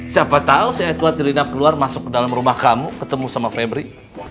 siapa tau si edward dirinap keluar masuk ke dalam rumah kamu ketemu sama febri